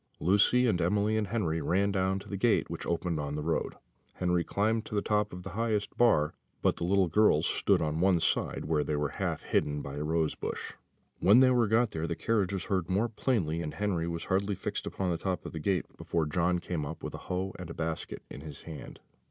Lucy and Emily and Henry ran down to the gate which opened on the road. Henry climbed to the top of the highest bar; but the little girls stood on one side, where they were half hidden by a rose bush. When they were got there the carriage was heard more plainly: and Henry was hardly fixed upon the top of the gate before John came up, with a hoe and a basket in his hand.